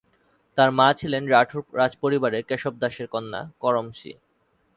তার মা ছিলেন রাঠোর রাজপরিবারের কেশব দাসের কন্যা করমসি।